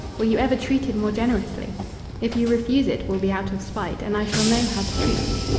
Were you ever treated more generously? If you refuse it will be out of spite, and I shall know how to treat you.